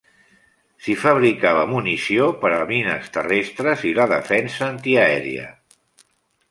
S'hi fabricava munició per a mines terrestres i la defensa antiaèria.